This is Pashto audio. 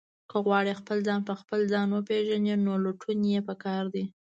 که غواړئ خپل ځان په خپل ځان وپېژنئ، نو لټون یې پکار دی.